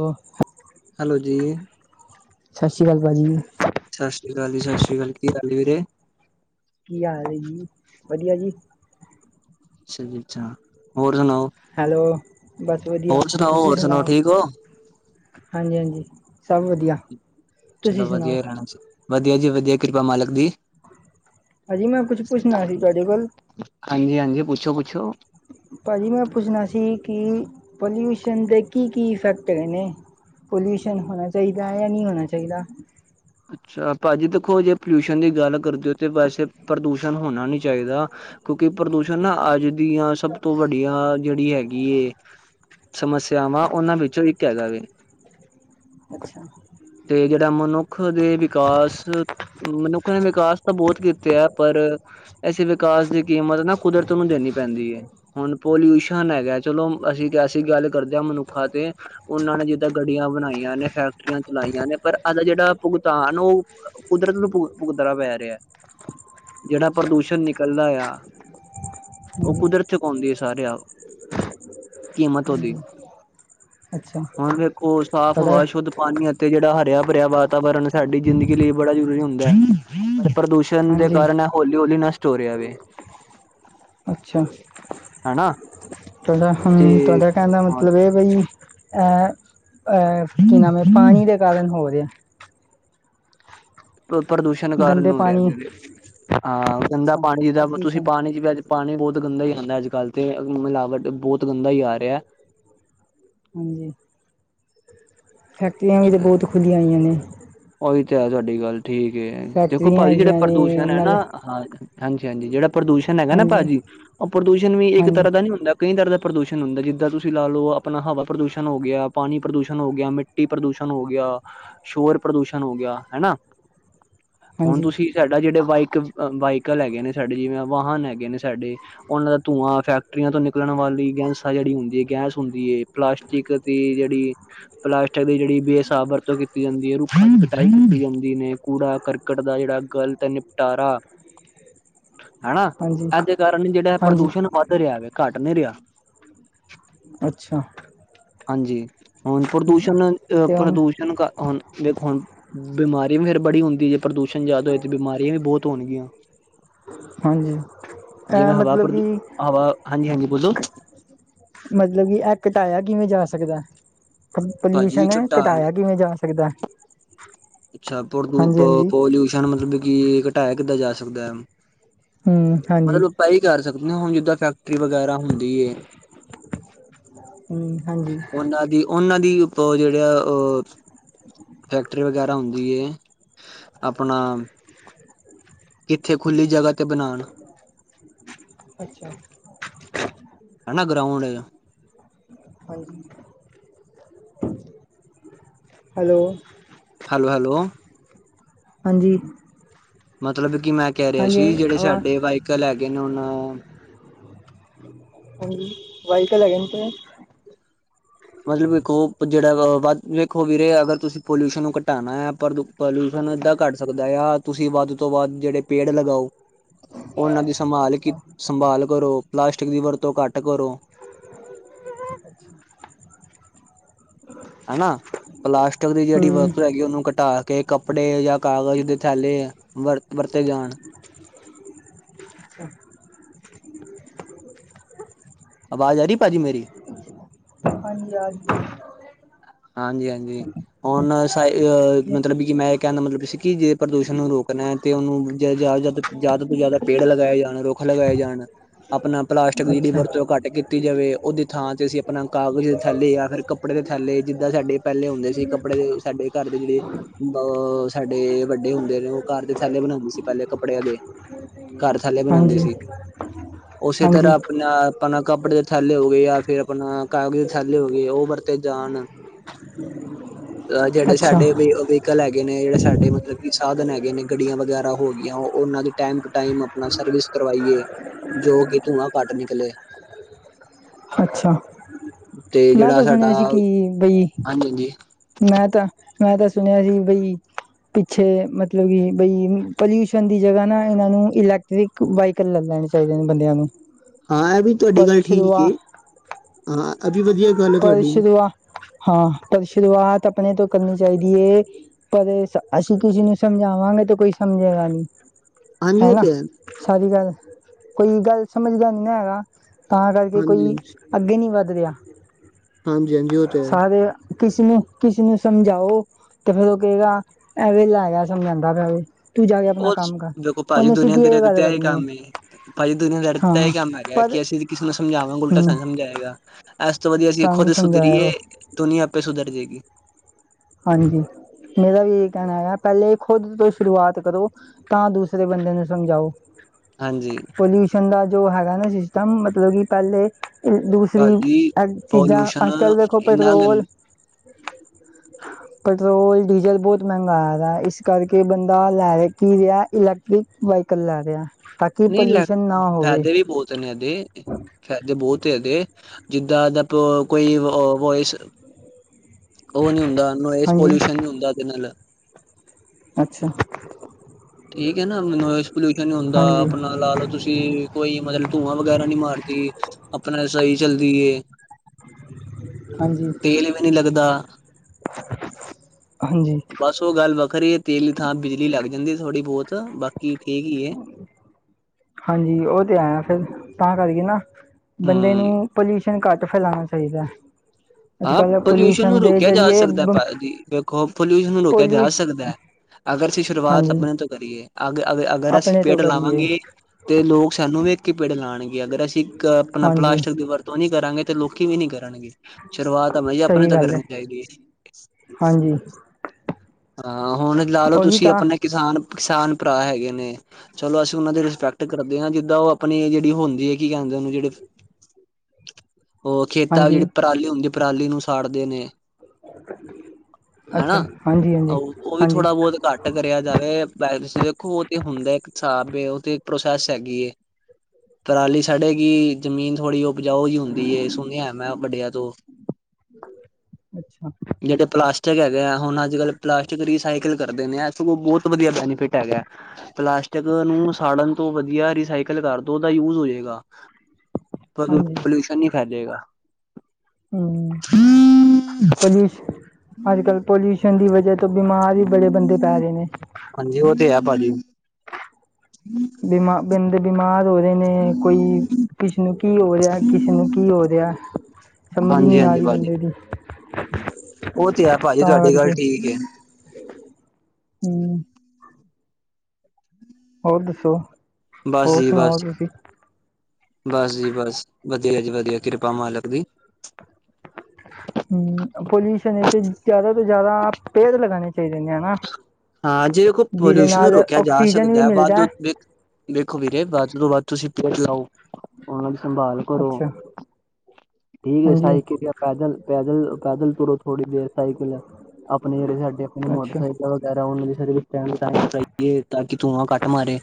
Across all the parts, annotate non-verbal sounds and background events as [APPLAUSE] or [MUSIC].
ਉਹ ਹੈਲੋ ਜੀ ਸਤਿ ਸ਼੍ਰੀ ਅਕਾਲ ਭਾ ਜੀ ਸਤਿ ਸ਼੍ਰੀ ਅਕਾਲ ਜੀ, ਸਤਿ ਸੀ੍ ਅਕਾਲ ਕੀ ਹਾਲ ਹੈ ਵੀਰੇ ਕੀ ਹਾਲ ਜੀ ਵਧੀਆ ਜੀ ਅੱਛਾ ਜੀ ਅੱਛਾ ਹੋਰ ਸੁਣਾਓ ਹੈਲੋ ਬਸ ਵਧੀਆ ਹੋਰ ਤੁਸੀਂ ਹੋਰ ਸੁਣਾਓ। ਠੀਕ ਹੋ ਹਾਂਜੀ ਹਾਂਜੀ ਸਭ ਵਧੀਆ ਤੁਸੀਂ ਚਲੋ ਵਧੀਆ ਸੁਣਾਓ? ਹੀ ਰਹਿਣਾ ਚਾ, ਵਧੀਆ ਜੀ ਵਧੀਆ ਕਿਰਪਾ ਮਾਲਕ ਦੀ। ਹਾਂਜੀ ਮੈਂ ਕੁੱਛ ਪੁੱਛਣਾ ਸੀ ਤੁਹਾਡੇ ਕੋਲ। ਹਾਂਜੀ ਹਾਂਜੀ ਪੁੱਛੋ ਪੁੱਛੋ ਭਾਜੀ ਮੈਂ ਪੁੱਛਣਾ ਸੀ ਕਿ ਪੋਲਿਊਸ਼ਨ ਦੇ ਕੀ ਕੀ ਇਫੈਕਟ ਹੈਗੇ ਨੇ। ਪੋਲਿਊਸ਼ਨ ਹੋਣਾ ਚਾਹੀਦਾ ਏ ਜਾਂ ਨਹੀਂ ਹੋਣਾ ਚਾਹੀਦਾ। ਅੱਛਾ ਭਾਜੀ ਦੇਖੋ ਜੇ ਪੋਲਿਊਸ਼ਨ ਦੀ ਗੱਲ ਕਰਦੇ ਹੋ ਤੇ ਵੈਸੇ ਪ੍ਰਦੂਸ਼ਣ ਹੋਣਾ ਨਹੀਂ ਚਾਹੀਦਾ। ਕਿਉਂਕਿ ਪ੍ਰਦੂਸ਼ਣ ਨਾ ਅੱਜ ਦੀਆਂ ਸਭ ਤੋਂ ਵੱਡੀਆਂ ਜਿਹੜੀ ਹੈਗੀ ਏ। ਸਮੱਸਿਆਵਾਂ ਉਹਨਾਂ ਵਿੱਚੋਂ ਇੱਕ ਹੈਗਾ ਵੇ। ਅੱਛਾ। ਤੇ ਜਿਹੜਾ ਮਨੁੱਖ ਦੇ ਵਿਕਾਸ ਮਨੁੱਖਾਂ ਨੇ ਵਿਕਾਸ ਤਾਂ ਬਹੁਤ ਕੀਤੇ ਹੈ ਪਰ ਐਸੀ ਵਿਕਾਸ ਦੀ ਕੀਮਤ ਨਾ ਕੁਦਰਤ ਨੂੰ ਦੇਣੀ ਪੈਂਦੀ ਏ। ਹੁਣ ਪੋਲਿਊਸ਼ਨ ਹੈਗਾ ਐ। ਚਲੋ ਅਸੀਂ ਇੱਕ ਐਸੀ ਗੱਲ ਕਰਦੇ ਹਾਂ ਮਨੁੱਖਾਂ ਤੇ ਉਹਨਾਂ ਨੇ ਜਿੱਦਾਂ ਗੱਡੀਆਂ ਬਣਾਈਆਂ ਨੇ ਫੈਕਟਰੀਆਂ ਚਲਾਈਆਂ ਨੇ, ਪਰ ਅੱਜ ਜਿਹੜਾ ਭੁਗਤਾਨ ਕੁਦਰਤ ਨੂੰ ਭੁਗਤਣਾ ਪੈ ਰਿਹਾ ਹੈ। ਜਿਹੜਾ ਅੱਛਾ, ਪ੍ਰਦੂਸ਼ਣ ਨਿਕਲਦਾ ਆ। ਉਹ ਹਾਂਜੀ ਕੁਦਰਤ ਚੁਕਾਉਂਦੀ ਏ ਸਾਰੇ ਆਪ ਕੀਮਤ ਉਹਦੀ। ਹਾਂਜੀ, ਅੱਛਾ। ਕੋ ਸਾਫ਼ ਤੁਹਾਡਾ ਹਵਾ ਸ਼ੁੱਧ ਪਾਣੀ ਤੇ ਜਿਹੜਾ ਹਰਿਆ ਭਰਿਆ ਵਾਤਾਵਰਨ ਸਾਡੀ ਜ਼ਿੰਦਗੀ ਲਈ ਬੜਾ ਜ਼ਰੂਰੀ ਹੁੰਦਾ ਏ। ਤੇ ਪ੍ਰਦੂਸ਼ਣ ਦੇ ਹਾਂਜੀ, ਕਾਰਨ ਹੌਲੀ ਹੌਲੀ ਨਸ਼ਟ ਹੋ ਰਿਹਾ ਵੇ। ਅੱਛਾ। ਹਨਾ ਤੁਹਾਡਾ ਤੇ ਹੂੰ ਤੁਹਾਡਾ ਕਹਿਣ ਦਾ ਹਾਂ ਮਤਲਬ ਇਹ ਬਈ ਅ ਅ ਕੀ ਨਾਮ ਏ ਪਾਣੀ ਦੇ ਕਾਰਨ ਹੋ ਰਿਹਾ। ਪ੍ਰਦੂਸ਼ਣ ਕਾਰਨ ਗੰਦੇ ਹੋ ਰਿਹਾ ਵੀ ਪਾਣੀ ਉਹਦੇ ਹਾਂ ਗੰਦਾ ਅੱਛਾ ਪਾਣੀ ਦਾ ਤੁਸੀਂ ਪ੍ਰਦੂਸ਼ਣ ਪਾਣੀ ਚ ਵੀ ਅੱਜ ਪਾਣੀ ਬਹੁਤ ਗੰਦਾ ਈ ਆਉਦਾ ਅੱਜ ਕੱਲ੍ਹ ਤੇ ਮਿਲਾਵਟ ਬਹੁਤ ਗੰਦਾ ਈ ਆ ਰਿਹਾ। ਹਾਂਜੀ। ਫੈਕਟਰੀਆਂ ਵੀ ਤੇ ਬਹੁਤ ਖੁੱਲ੍ਹੀਆਂ ਹੋਈਆਂ ਨੇ। ਉਹੀ ਤੇ ਹੈ ਤੁਹਾਡੀ ਗੱਲ ਠੀਕ ਐ, ਦੇਖੋ ਫੈਕਟਰੀਆਂ ਭਾਜੀ ਜਿਹੜਾ ਹੈਗੀਆਂ ਨੇ ਪ੍ਰਦੂਸ਼ਣ ਏ ਨਾ ਨਾਲੇ ਹਾਂ। ਹਾਂਜੀ ਹਾਂਜੀ ਜਿਹੜਾ ਪ੍ਰਦੂਸ਼ਣ ਹੈਗਾ ਨਾ ਹਾਂਜੀ ਭਾਜੀ। ਉਹ ਪ੍ਰਦੂਸ਼ਣ ਵੀ ਇੱਕ ਹਾਂਜੀ ਤਰ੍ਹਾਂ ਦਾ ਨਹੀਂ ਹੁੰਦਾ। ਕਈ ਤਰ੍ਹਾਂ ਦਾ ਪ੍ਰਦੂਸ਼ਣ ਹੁੰਦਾ। ਜਿੱਦਾਂ ਤੁਸੀਂ ਲਾ ਲਓ ਆਪਣਾ ਹਵਾ ਪ੍ਰਦੂਸ਼ਣ ਹੋ ਗਿਆ, ਪਾਣੀ ਪ੍ਰਦੂਸ਼ਣ ਹੋ ਗਿਆ ਮਿੱ ਮਿੱਟੀ ਪ੍ਰਦੂਸ਼ਣ ਹੋ ਗਿਆ, ਸ਼ੋਰ ਪ੍ਰਦੂਸ਼ਣ ਹੋ ਗਿਆ, ਹਨਾ। ਹੁਣ ਹਾਂਜੀ ਤੁਸੀਂ ਸਾਡਾ ਜਿਹੜੇ ਬਾਈਕ ਵਾਈਕਲ ਹੈਗੇ ਨੇ ਸਾਡੇ ਜਿਵੇਂ ਵਾਹਨ ਹੈਗੇ ਨੇ ਸਾਡੇ। ਉਹਨਾਂ ਦਾ ਧੂੰਆਂ ਫੈਕਟਰੀਆਂ ਤੋਂ ਨਿਕਲਣ ਵਾਲੀ ਗੈਂਸਾ ਜਿਹੜੀ ਹੁੰਦੀ ਏ ਗੈਸ ਹੁੰਦੀ ਏ ਪਲਾਸਟ ਜੇ ਕਦੀ ਜਿਹੜੀ ਪਲਾਸਟ ਜਿਹੜੀ ਬੇਹਿਸਾਬ ਵਰਤੋਂ ਕੀਤੀ ਜਾਂਦੀ ਏ, ਰੁੱਖ ਕਟਾਈ ਕੀਤੀ ਜਾਂਦੀ ਨੇ ਕੂੜਾ ਕਰਕਟ ਦਾ ਜਿਹੜਾ ਗਲਤ ਨਿ ਟਾਰਾ [INAUDIBLE] ਹੈਨਾ ਹਾਂਜੀ ਇਹਦੇ ਕਾਰਨ ਜਿਹੜਾ ਹਾਂਜੀ ਪ੍ਰਦੂਸ਼ਣ ਵੱਧ ਰਿਹਾ ਵੇ ਘੱਟ ਨਹੀਂ ਰਿਹਾ। ਅੱਛਾ। ਹਾਂਜੀ ਹੁਣ ਪ੍ਰਦੂਸ਼ਣ ਅਹ ਤੇ ਹੁਣ ਪ੍ਰਦੂਸ਼ਣ ਹੁਣ ਦੇਖੋ ਹੁਣ ਬਿਮਾਰੀਆਂ ਵੀ ਫੇਰ ਬੜੀ ਹੁੰਦੀ ਏ, ਜੇ ਪ੍ਰਦੂਸ਼ਣ ਜ਼ਿਆਦਾ ਹੋਏ ਤੇ ਬਿਮਾਰੀਆਂ ਵੀ ਬਹੁਤ ਹੋਣਗੀਆਂ। [INAUDIBLE] ਇਹ ਜਿਵੇਂ ਹਵਾ ਮਤਲਬ ਪ੍ਰਦੂ ਕਿ ਹਵਾ ਹਾਂਜੀ ਹਾਂਜੀ ਬੋਲੋ। ਮਤਲਬ ਕਿ ਇਹ ਘਟਾਇਆ ਕਿਵੇਂ ਜਾ ਸਕਦਾ ਏ, ਭਾਜੀ ਪੋਲਿਊਸ਼ਨ ਘਟਾ ਘਟਾਇਆ ਕਿਵੇਂ ਜਾ ਸਕਦਾ। ਅੱਛਾ ਹਾਂਜੀ ਹਾਂਜੀ ਪੋਲਿਊਸ਼ਨ ਮਤਲਬ ਕਿ ਘਟਾਇਆ ਕਿੱਦਾਂ ਜਾ ਸਕਦਾ ਹੈ। ਹੂੰ ਹਾਂਜੀ ਮਤਲਬ ਆਪਾਂ ਇਹੀ ਕਰ ਸਕਦੇ ਹਾਂ ਹੁਣ ਜਿੱਦਾਂ ਫੈਕਟਰੀ ਵਗੈਰਾ ਹੁੰਦੀ ਏ। ਹੂੰ ਹਾਂਜੀ ਉਹਨਾਂ ਦੀ ਉਹਨਾਂ ਦੀ ਉਹ ਜਿਹੜੇ ਆ ਉਹ ਫੈਕਟਰੀ ਵਗੈਰਾ ਹੁੰਦੀ ਹੈ ਆਪਣਾ ਕਿੱਥੇ ਖੁੱਲੀ ਜਗ੍ਹਾ ਤੇ ਬਣਾਉਣ। ਅੱਛਾ। ਹਨਾ ਗਰਾਊਂਡ ਹਾਂਜੀ ਹਾਂਜੀ। ਹੈਲੋ। Hello hello. ਹਾਂਜੀ। ਮਤਲਬ ਕਿ ਮੈਂ ਕਹਿ ਰਿਹਾ ਹਾਂਜੀ ਸੀ। ਜਿਹੜੇ ਆਵਾਜ਼ ਸਾਡੇ ਵਾਈਕਲ ਹੈਗੇ ਨੇ ਹੁਣ ਹਾਂਜੀ। ਵਾਹੀਕਾਲ ਹੈਗਨ ਤੇ ਮਤਲਬ ਵੇਖੋ, ਜਿਹੜਾ ਵੱਧ, ਵੇਖੋ ਵੀਰੇ ਅਗਰ ਤੁਸੀਂ ਪੋਲਿਊਸ਼ਨ ਨੂੰ ਘਟਾਣਾ ਹੈ ਪਰ ਪੋਲਿਊਸ਼ਨ ਏਦਾਂ ਘੱਟ ਸਕਦਾ ਆ। ਤੁਸੀਂ ਵੱਧ ਤੋਂ ਵੱਧ ਜਿਹੜੇ ਪੇੜ ਲਗਾਓ। ਉਹਨਾਂ ਦੀ ਸੰਭਾਲ ਕੀ- ਸੰਭਾਲ ਕਰੋ। ਪਲਾਸਟਿਕ ਦੀ ਵਰਤੋਂ ਘੱਟ ਕਰੋ। [INAUDIBLE] ਹਨਾ। ਪਲਾਸਟਿਕ ਦੀ ਜਿਹੜੀ ਵਰਤੋ ਹੈਗੀ ਉਹਨੂੰ ਘਟਾ ਕੇ ਕੱਪੜੇ ਜਾਂ ਕਾਗਜ਼ ਦੇ ਥੈਲੇ ਏ ਵਰ-ਵਰਤੇ ਜਾਣ। ਆਵਾਜ਼ ਆ ਰਹੀ ਏ ਭਾਜੀ ਮੇਰੀ। ਨੀਆਂ ਰੀ ਹਾਂਜੀ ਹਾਂਜੀ। ਹੁਣ ਨ ਸ ਇਹ ਹੈ। ਮਤਲਬ ਮੈਂ, ਇਹ ਕਹਿਦਾ ਮਤਲਬ ਸੀ ਕੀ, ਜੇ ਪ੍ਰਦੂਸ਼ਣ ਨੂੰ ਰੋਕਣਾ ਤੇ ਉਹਨੂੰ ਜੇ ਜੇਹ ਜ਼ਿਆਦਾ ਤੋਂ ਜ਼ਿਆਦਾ ਪੇੜ ਲਗਾਏ ਜਾਣ ਰੁੱਖ ਲਗਾਏ ਜਾਣ। ਆਪਣਾ ਪਲਾਸਟਿਕ ਦੀ ਜਿਹੜੀ ਅੱਛਾ ਵਰਤੋਂ ਘੱਟ ਕੀਤੀ ਜਾਵੇ। ਉਹਦੀ ਥਾਂ ਤੇ ਅਸੀਂ ਆਪਣਾ ਕਾਗਜ਼ ਦੇ ਥੈਲੇ ਜਾਂ ਫਿਰ ਕੱਪੜੇ ਦੇ ਥੈਲੇ ਜਿੱਦਾਂ ਸਾਡੇ ਪਹਿਲੇ ਹੁੰਦੇ ਸੀ। ਕੱਪੜੇ ਦੇ ਸਾਡੇ ਘਰ ਦੇ ਜਿਹੜੇ ਬ ਸਾਡੇ ਵੱਡੇ ਹੁੰਦੇ ਨੇ, ਉਹ ਘਰ ਦੇ ਥੈੱਲੇ ਬਣਾਉਂਦੇ ਸੀ, ਪਹਿਲੇ ਕੱਪੜਿਆਂ ਦੇ। ਘਰ ਥੱਲੇ ਬਣਾਉਂਦੇ ਹਾਂਜੀ ਸੀ। ਉਸੇ ਹਾਂਜੀ ਤਰ੍ਹਾਂ ਆਪਣਾ ਆਪਣਾ ਕੱਪੜੇ ਦੇ ਥੈੱਲੇ ਹੋ ਗਏ ਜਾਂ ਫੇਰ ਆਪਣਾ ਕਾਗਜ਼ ਦੇ ਥੈੱਲੇ ਹੋ ਗਏ, ਉਹ ਵਰਤ ਤੇ ਜਾਣ। ਅ ਜਿਹੜੇ ਅੱਛਾ ਸਾਡੇ ਵੀ ਉਹ ਵੀ ਕਲ ਹੈਗੇ ਨੇ। ਜਿਹੜੇ ਸਾਡੇ ਮਤਲਬ ਕਿ ਸਾਧਨ ਹੈਗੇ ਨੇ, ਗੱਡੀਆਂ ਵਗੈਰਾ ਹੋ ਗਈਆਂ ਉਹਨਾਂ ਦੇ ਟਾਈਮ ਟੂ ਟਾਈਮ ਆਪਣਾ ਸਰਵਿਸ ਕਰਵਾਈ ਏ। ਜੋ ਕਿ ਧੂੰਆਂ ਘੱਟ ਨਿਕਲੇ ਅੱਛਾ। ਤੇ ਮੈਂ ਜਿਹੜਾ ਤਾਂ ਸਾਡਾ ਸੁਣਿਆ ਸੀ ਕਿ ਬਈ ਹਾਂਜੀ ਹਾਂਜੀ ਮੈਂ ਤਾਂ। ਮੈਂ ਤਾਂ ਸੁਣਿਆ ਸੀ ਬਈ ਪਿੱਛੇ ਮਤਲਬ ਕਿ ਬਈ, ਪੋਲਿਊਸ਼ਨ ਦੀ ਜਗ੍ਹਾ ਨਾ ਇਹਨਾਂ ਨੂੰ ਇਲੈਕਟ੍ਰਿਕ ਵਾਹੀਕਲ ਲੈ ਲੈਣੇ ਚਾਹੀਦੇ ਨੇ ਬੰਦਿਆਂ ਨੂੰ ਹਾਂ ਇਹ ਵੀ ਤੁਹਾਡੀ ਪਰ ਗੱਲ ਠੀਕ ਸ਼ੁਰੂਆ ਏ। ਹਾਂ ਇਹ ਵੀ ਵਧੀਆ ਗੱਲ ਹੈ ਪਰ ਤੁਹਾਡੀ ਸ਼ੁਰੂਆਤ ਹਾਂ। ਪਰ ਸ਼ੁਰੂਆਤ ਆਪਣੇ ਤੋਂ ਕਰਨੀ ਚਾਹੀਦੀ ਏ। ਪਰ ਅਸੀਂ ਕਿਸੇ ਨੂੰ ਸਮਝਾਵਾਂਗੇ ਤੇ ਕੋਈ ਸਮਝੇਗਾ ਨਹੀਂ। ਹਾਂਜੀ ਹੈ ਉਹ ਤੇ ਨਾਸਾਰੀ ਗੱਲ ਕੋਈ ਗੱਲ ਸਮਝਦਾ ਨਹੀਂ ਨਾ ਹੈਗਾ। ਤਾਂ ਕਰਕੇ ਹਾਂਜੀ ਕੋਈ ਅੱਗੇ ਨਹੀਂ ਵੱਧ ਰਿਹਾ। ਹਾਂਜੀ ਹਾਂਜੀ ਉਹ ਤੇ ਹੈ ਸਾਰੇ ਕਿਸੇ ਨੂੰ-ਕਿਸੇ ਨੂੰ ਸਮਝਾਓ। ਤੇ ਫੇਰ ਉਹ ਕਿਹਗਾ। ਐਵੇਂ ਲੈ ਗਿਆ ਸਮਝਦਾ ਪਿਆ ਵੇ। ਤੂੰ ਜਾ ਕੇ ਆਪਣਾ ਉਹ ਕੰਮ ਕਰ ਦੇਖੋ ਭਾਜੀ। ਉਹਨੇ ਦੁਨੀਆਂ ਸਿੱਧੀ ਇਹ ਦਾਰੀ ਦੀ ਗੱਲ ਤੇ ਇਹੀ ਕਰਨੀ ਹੈ ਕੰਮ ਏ। ਭਾਜੀ ਦੁਨੀਆਂ ਦਾਰੀ ਦੇਤਾਂ ਹਾਂ ਇਹ ਕੰਮ ਹੈਗਾ ਪਰ ਕਿ ਅਸੀਂ ਕਿਸੇ ਨੂੰ ਸਮਝਾਵਾਂ ਗੇ ਉਲਟਾ ਹਮ, ਸਾਨੂੰ ਸਮਝਾਏਗਾ। ਇਸ ਤੋਂ ਵਧੀਆ ਚ ਸਾਨੂੰ ਖੁਦ ਸਮਝਾਇਆ ਸੁਧਰੀਏ। ਉਹ ਦੁਨੀਆ ਆਪੇ ਸੁਧਰ ਜਾਏਗੀ। ਹਾਂਜੀ। ਮੇਰਾ ਵੀ ਇਹ ਕਹਿਣਾ ਹੈਗਾ। ਪਹਿਲੇ ਖੁਦ ਤੋਂ ਸ਼ੁਰੂਆਤ ਕਰੋ। ਤਾਂ ਦੂਸਰੇ ਬੰਦੇ ਨੂੰ ਸਮਝਾਓ। ਹਾਂਜੀ। ਪੋਲਿਊਸ਼ਨ ਦਾ ਜੋ ਹੈਗਾ ਨਾ ਸਿਸਟਮ। ਮਤਲਬ ਕਿ ਪਹਿਲੇ ਦੂਸਰੀ ਭਾਜੀ ਐ ਚੀਜ਼ਾਂ। ਪੋਲਿਊਸ਼ਨ ਅੱਜ ਕੱਲ੍ਹ ਦੇਖੋ ਇੰਨਾ ਗੰ ਪੈਟਰੋਲ [INAUDIBLE] ਪੈਟਰੋਲ ਡੀਜ਼ਲ ਬਹੁਤ ਮਹਿੰਗਾ ਹੈਗਾ। ਇਸ ਕਰਕੇ ਬੰਦਾ ਲੈ ਰਿਹਾ ਕੀ ਰਿਹਾ। ਇਲੈਕ ਵੀ ਵਾਹੀਕਲ ਲੈ ਰਿਹਾ। ਤਾਂ ਕਿ ਪੋਲਿਊਸ਼ਨ ਨਾ ਹੋਵੇ ਸਨਿਆ ਦੇ ਕੇ। ਫਾਇਦੇ ਬਹੁਤ ਇਹਦੇ, ਜਿੱਦਾਂ ਕੋਈ ਵੋਯਸ ਉਹ ਨੀ ਹੁੰਦਾ। ਨੋਆਇਸ ਹਾਂਜੀ ਪੋਲਿਊਸ਼ਨ ਨੀ ਹੁੰਦਾ ਇਹਦੇ ਨਾਲ ਅੱਛਾ ਠੀਕ ਹੈ ਨਾ ਨੋਇਜ਼ ਪੋਲਿਊਸ਼ਨ ਨੀ ਹੁੰਦਾ। ਹਾਂਜੀ ਆਪਣਾ ਲਾ ਲੋਓ ਤੁਸੀਂ, ਕੋਈ ਮਤਲਬ ਧੂੰਆਂ ਵਗੈਰਾ ਨਹੀ ਮਾਰਦੀ। ਆਪਣਾ ਸਹੀ ਚੱਲਦੀ ਹੈ। ਹਾਂਜੀ ਤੇਲ ਵੀ ਨਹੀਂ ਲੱਗਦਾ -ਹਾਂਜੀ। ਬਸ ਉਹ ਗੱਲ ਵੱਖਰੀਏ ਤੇਲ ਦੀ ਥਾਂ ਬਿਜਲੀ ਲੱਗ ਜਾਂਦੀ ਥੋੜ੍ਹੀ ਬਹੁਤ। ਬਾਕੀ ਕਿ ਹੈ। ਹਾਂਜੀ। ਉਹ ਤੇ ਹੈ ਫਿਰ ਤਾਂ ਕਰਕੇ ਨਾ ਬੰਦੇ ਹਮ ਨੂੰ ਪੋਲਿਊਸ਼ਨ ਘੱਟ ਫੈਲਾਉਣਾ ਚਾਹੀਦਾ ਹੈ। ਹਾਂ। ਪੋਲਿਊਸ਼ਨ ਨੂੰ ਰੋਕਿਆ ਜਾ ਜ਼ਰੀਏ ਸਕਦਾ ਭਾਜੀ ਦੇਖੋ, ਪੋਲਿਊਸ਼ਨ ਨੂੰ ਰੋਕਿਆ ਜਾ ਪੋਲਿਊਸ਼ ਸਕਦਾ ਹੈ। ਅਗਰ ਅਸੀਂ ਸ਼ੁਰੂਆਤ ਹਾਂਜੀ ਆਪਣੇ ਤੋਂ ਕਰੀਏ। ਅਗ, ਅਗਰ ਅਸੀਂ ਆਪਣੇ ਤੋਂ ਪੇਡ ਕਰੀਏ ਲਾਵਾਂਗੇ ਤੇ ਲੋਕ ਸਾਨੂੰ ਵੀ ਲੋਕੀ ਪੇੜ ਲਾਉਣਗੇ। ਅਗਰ ਅਸੀਂ ਅ ਆਪਣਾ ਹਾਂਜੀ ਪਲਾਸਟਿਕ ਦੀ ਵਰਤੋਂ ਨਹੀਂ ਕਰਾਂਗੇ ਤਾਂ ਲੋਕੀ ਵੀ ਨਹੀਂ ਕਰਨਗੇ। ਸ਼ੁਰੂਆਤ ਹੈ ਮ ਆਪਣੇ ਸਹੀ ਤਾਂ ਗੱਲ ਹੈ ਕਰਨੀ ਚਾਹੀਦੀ ਹੈ। ਹਾਂਜੀ। ਹਾਂ। ਹੁਣ ਲਾ ਲਓ, ਉਹੀ ਤੁਸੀਂ ਤਾਂ ਆਪਣੇ ਕਿਸਾਨ- ਕਿਸਾਨ ਭਰਾ ਹੈਗੇ ਨੇ। ਚਲੋ ਅਸੀਂ ਉਹਨਾ ਦੀ ਰਿਸਪੈਕਟ ਕਰਦੇ ਹਾਂ ਜਿੱਦਾਂ ਉਹ ਆਪਣੀ ਜਿਹੜੀ ਹੁੰਦੀ ਹੈ ਕੀ ਕਹਿੰਦੇਨੂੰ ਜਿਹੜੇ [INAUDIBLE] ਉਹ ਖੇਤਾਂ ਵਿੱਚ ਹਾਂਜੀ ਜਿਹੜੀ ਪਰਾਲੀ ਹੁੰਦੀ। ਪਰਾਲੀ ਨੂੰ ਸਾੜਦੇ ਨੇ। ਅੱਛਾ। ਹਨਾ ਹਾਂਜੀ- ਆਹੋ ਉਹ ਵੀ ਹਾਂਜੀ -ਹਾਂਜੀ। ਥੋੜ੍ਹਾ ਬਹੁਤ ਘੱਟ ਕਰਿਆ ਜਾਵੇ। ਦੇਖੋ ਉਹ ਤੇ ਹੁੰਦਾ ਇੱਕ ਹਿਸਾਬ ਉਹ ਤੇ ਪ੍ਰੋਸੈਸ ਹੈਗੀ ਏ। ਪਰਾਲੀ ਸੜੇਗੀ। ਜ਼ਮੀਨ ਥੋੜ੍ਹੀ ਉਪਜਾਊ ਜਿਹੀ ਹੁੰਦੀ ਏ ਸੁਣਿਆ ਮੈਂ ਵੱਡਿਆਂ ਤੋਂ। ਅੱਛਾ। ਜਿਹੜੇ ਪਲਾਸਟਿਕ ਹੈਗੇ ਆ ਹੁਣ ਅੱਜ ਕੱਲ੍ਹ ਪਲਾਸਟਿਕ ਰੀਸਾਈਕਲ ਕਰਦੇ ਨੇ। ਏ ਸਗੋ ਬਹੁਤ ਵਧੀਆ ਬੈਨੀਫਿਟ ਹੈਗਾ। ਪਲਾਸਟਿਕ ਨੂੰ ਸਾੜਨ ਤੋਂ ਵਧੀਆ ਰੀਸਾਈਕਲ ਕਰਦੋ। ਉਹਦਾ ਯੂਜ ਹੋਏ ਗਾ। ਹਾਂਜੀ ਪੋਲਿਊਸ਼ਨ ਨਹੀਂ ਫੈਲੇਗਾ। ਹਮ। ਪੋਲਿਊਸ਼ ਅੱਜ ਕੱਲ ਪੋਲਿਊਸ਼ਨ ਦੀ ਵਜ੍ਹਾ ਬਿਮਾਰ ਹੀ ਬੜੇ ਬੰਦੇ ਪੈ ਰਹੇ ਨੇ। ਹਾਂਜੀ। ਉਹ ਤੇ ਹੈ ਭਾਜੀ। ਬਿਮਾਰ ਬੰਦੇ ਬਿਮਾਰ ਹੋਏ ਨੇ ਕੋਈ ਕਿਸੇ ਨੂੰ ਕੀ ਹੋ ਰਿਹਾ, ਕਿਸੇ ਨੂੰ ਕੀ ਹੋ ਰਿਹਾ, ਸਮਝ ਹਾਂਜੀ ਨਹੀਂ ਹਾਂਜੀ ਆਰੀ ਭਾਜੀ। ਬੰਦੇ ਦੀ। [UNINTELLIGIBLE] ਉਹ ਤੇ ਆ ਭਾਜੀ ਤਾਂ ਤੁਹਾਡੀ ਗੱਲ ਕਰਕੇ ਠੀਕ ਹੇ। ਹਮ [UNINTELLIGIBLE] ਹੋਰ ਦੱਸੋ, ਬਸ ਹੋਰ ਜੀ ਬਸ। ਸੁਣਾਓ ਤੁਸੀਂ? ਬਸ ਜੀ ਬਸ, ਵਧੀਆ ਜੀ ਵਧੀਆ। ਕਿਰਪਾ ਮਾਲਕ ਦੀ। ਹਮ। ਪੋਲਿਊਸ਼ਨ ਇਚ ਜ਼ਿਆਦਾ ਤੋਂ ਜ਼ਿਆਦਾ ਪੇਡ ਲਗਾਣੇ ਚ' ਦੇ ਦੇਨੇ ਨਾ। ਹਾਂ ਜੇ ਦੇਖੋ ਜਿਹਦੇ ਪੋਲਿਊਸ਼ਨ ਨੂੰ ਨਾਲ ਰੋਕਿਆ ਜਾ ਆਕਸੀਜਨ ਵੀ ਸਕਦਾ ਹੈ ਵੱਧ ਮਿਲਦਾ। ਦੇਖੋ ਵੀਰੇ ਵੱਧ ਤੋਂ ਵੱਧ ਤੁਸੀਂ ਪੇੜ ਲਾਓ। ਉਹਨਾਂ ਦੀ ਸੰਭਾਲ ਕਰੋ। ਅੱਛਾ ਠੀਕ ਹੈ ਹਾਂਜੀ ਸਹੀ ਕਿ ਪੈਦਲ -ਪੈਦਲ- ਪੈਦਲ ਤੁਰੋ ਥੋੜ੍ਹੀ ਦੇਰ ਸਾਈਕਲ ਆਪਣੇ ਜਿਹੜੇ ਸਾਡੇ ਆਪਣੇ ਮੋਟਰ ਅੱਛਾ ਵਗੈਰਾ ਉਹਨਾਂ ਦੇ ਸਾਰੇ ਬੱਚਿਆਂ ਨੂੰ ਪਾਈਏ ਤਾਂ ਕਿ ਧੂੰਆਂ ਕੱਟ ਮਾਰੇ।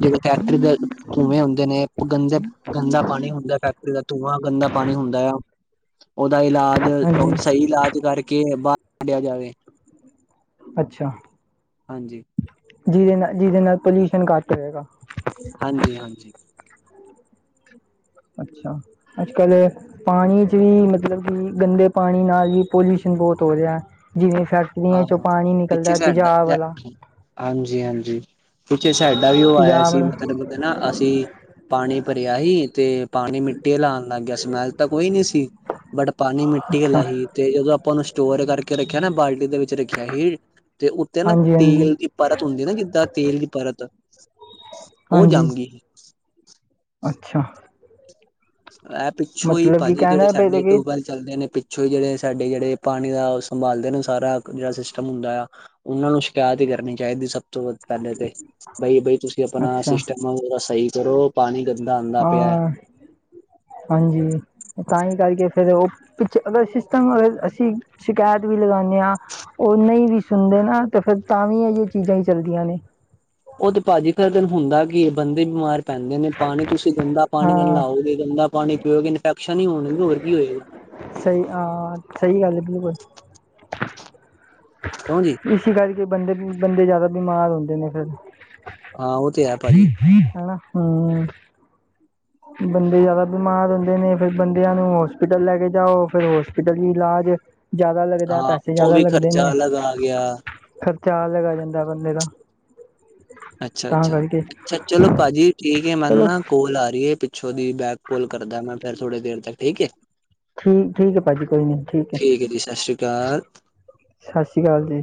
ਜਿਹੜੇ ਫੈਕਟਰੀ ਦੇ ਧੂੰਵੇਂ ਹੁੰਦੇ ਨੇ। ਗੰਦੇ ਗੰਦਾ ਪਾਣੀ ਹੁੰਦਾ ਫੈਕਟਰੀ ਦਾ ਧੂੰਆ ਗੰਦਾ ਪਾਣੀ ਹੁੰਦਾ ਆ। ਉਹਦਾ ਇਲਾਜ ਹਾਂਜੀ ਉਹ ਸਹੀ ਇਲਾਜ ਕਰਕੇ ਬਾਹਰ ਕੱਢਿਆ ਜਾਵੇ। ਅੱਛਾ। ਹਾਂਜੀ। ਜਿਹਦੇ ਨਾਲ ਜਿਹਦੇ ਨਾਲ ਪੋਲਿਊਸ਼ਨ ਘੱਟ ਰਹੇਗਾ। ਹਾਂਜੀ- ਹਾਂਜੀ। ਅੱਛਾ। ਅੱਜ ਕੱਲ ਪਾਣੀ 'ਚ ਵੀ ਮਤਲਬ ਕਿ ਗੰਦੇ ਪਾਣੀ ਨਾਲ ਵੀ ਪੋਲਿਊਸ਼ਨ ਬਹੁਤ ਹੋ ਰਿਹਾ ਜਿਵੇਂ ਫੈਕਟ ਹਾਂ ਪ [UNINTELLIGIBLE] ਹਾਂਜੀ ਹਾਂਜੀ ਕੁਛੇ ਸਾਡਾ ਵੀ ਉਹ ਆਇਆ ਤੇਜ਼ਾਬ ਸੀ ਵਾਲਾ ਮਤਲਬ ਨਾ ਅਸੀਂ ਪਾਣੀ ਭਰਿਆ ਸੀ ਤੇ ਪਾਣੀ ਮਿੱਟੀ ਲਾਉਣ ਲੱਗ ਗਿਆ ਸਮੈਲ ਤਾਂ ਕੋਈ ਨਹੀ ਸੀ ਬਟ ਪਾਣੀ ਮਿੱਟੀ ਅੱਛਾ ਆਲਾ ਸੀ ਤੇ ਜਦੋਂ ਆਪਾਂ ਉਹਨੂੰ ਸਟੋਰ ਕਰਕੇ ਰੱਖਿਆ ਨਾ ਬਾਲਟੀ ਦੇ ਵਿੱਚ ਰੱਖਿਆ ਸੀ ਤੇ ਉੱਤੇ ਨਾ ਹਾਂਜੀ ਹਾਂਜੀ ਤੇਲ ਦੀ ਪਰਤ ਹੁੰਦੀ ਨਾ ਜਿੱਦਾਂ ਤੇਲ ਦੀ ਪਰਤ ਉਹ ਹਾਂਜੀ ਜੰਮ ਗਈ ਸੀ ਅੱਛਾ ਇਹ ਪਿੱਛੋਂ ਹੀ ਮਤਲਬ ਕਿ ਭਾਜੀ ਜਿਹੜੇ ਕਹਿਣਾ ਪਏ ਸਾਡੇ ਕਿ ਟੂਬਲ ਚੱਲਦੇ ਨੇ ਪਿੱਛੋਂ ਹੀ ਜਿਹੜੇ ਸਾਡੇ ਜਿਹੜੇ ਪਾਣੀ ਦਾ ਸੰਭਾਲਦੇ ਨੇ ਸਾਰਾ ਜਿਹੜਾ ਸਿਸਟਮ ਹੁੰਦਾ ਆ ਉਹਨਾਂ ਨੂੰ ਸ਼ਿਕਾਇਤ ਹੀ ਕਰਨੀ ਚਾਹੀਦੀ ਸਭ ਤੋਂ ਵੱਧ ਪਹਿਲੇ ਤੇ ਬਈ- ਬਈ ਤੁਸੀਂ ਤੁ ਆਪਣਾ ਅੱਛਾ ਸਿਸਟਮ ਉਹਦਾ ਸਹੀ ਕਰੋ ਪਾਣੀ ਗੰਦਾ ਆਉਂਦਾ ਪਿਆ ਹਾਂ ਹਾਂਜੀ ਤਾਂ ਹੀ ਕਰਕੇ ਫੇਿਰ ਉਹ ਪਿੱਛੇ ਅਗਰ ਸਿਸਟਮ ਅਗਰ ਅਸੀਂ ਸ਼ਿਕਾਇਤ ਵੀ ਲਗਾਉਂਦੇ ਹਾਂ ਉਹ ਨਹੀਂ ਵੀ ਸੁਣਦੇ ਨਾ ਤੇ ਫਿਰ ਤਾਂ ਵੀ ਇਹ ਚੀਜ਼ਾਂ ਹੀ ਚੱਲਦੀਆਂ ਨੇ ਉਹ ਤੇ ਭਾਜੀ ਖਰੇ ਦਿਨ ਹੁੰਦਾ ਕੀ ਬੰਦੇ ਬਿਮਾਰ ਪੈਂਦੇ ਨੇ ਪਾਣੀ ਤੁਸੀਂ ਗੰਦਾ ਪਾਣੀ ਨਾਲ ਹਾਂ ਲਾਓਗੇ ਗੰਦਾ ਪਾਣੀ ਪੀਓਗੇ ਇਨਫੈਕਸ਼ਨ ਹੋਣਗੇ ਹੋਰ ਕੀ ਹੋਏਗੀ ਸਹੀ ਹਾਂ ਸਹੀ ਗੱਲ ਹੈ ਬਿਲਕੁਲ ਹਜੀ [UNINTELLIGIBLE] ਇਸ ਕਰਕੇ ਬੰਦੇ ਬੰਦੇ ਜ਼ਿਆਦਾ ਬਿਮਾਰ ਹੁੰਦੇ ਨੇ ਫਿਰ ਹਾਂ ਉਹ ਤੇ ਹੈ ਭਾਜੀ ਹੈ ਹਮ ਬੰਦੇ ਜ਼ਿਆਦਾ ਬਿਮਾਰ ਹੁੰਦੇ ਨੇ ਫਿਰ ਬੰਦਿਆਂ ਨੂੰ ਹੋਸਪਿਟਲ ਲੈ ਕੇ ਜਾਓ ਫੇਿਰ ਹੋਸਪਿਟਲ ਹੀ ਇਲਾਜ ਜਿਅਦਾ ਲੱਗਦਾ ਹਾਂ ਪੈਸੇ ਉਹ ਜ਼ਿਆਦਾ ਵੀ ਲੱਗਦੇ ਖਰਚਾ ਨੇ ਅਲੱਗ ਆ ਗਿਆ ਖਰਚਾ ਆਲੱਗ ਆ ਜਾਂਦਾ ਬੰਦੇ ਦਾ ਅੱਛਾ ਤਾਂ ਅੱਛਾ ਕਰਕੇ ਅੱਛਾ ਚਲੋ ਭਾਜੀ ਠੀਕ ਮੈਨੂੰ ਚਲੋ ਨਾ ਕੋਲ ਆ ਰਹੀ ਹੈ ਪਿੱਛੋਂ ਉਹਦੀ ਬੈਕ ਕੋਲ ਕਰਦਾ ਮੈਂ ਫਿਰ ਥੋੜੀ ਦੇਰ ਤੱਕ ਠੀਕ ਹੈ ਠੀਕ ਠੀਕ ਹੈ ਭਾਜੀ ਕੋਈ ਨੀ ਠੀਕ ਹੈ ਏ ਜੀ ਸਤਿ ਸ਼੍ਰੀ ਅਕਾਲ। ਸਤਿ ਸ੍ਰੀ ਅਕਾਲ ਜੀ